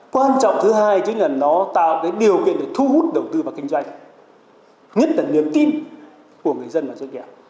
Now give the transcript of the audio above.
quan trọng thứ hai chính là nó tạo cái điều kiện để thu hút đầu tư vào kinh doanh nhất là niềm tin của người dân và doanh nghiệp